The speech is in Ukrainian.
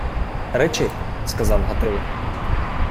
— Речи, — сказав Гатило.